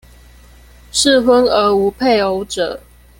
適婚而無配偶者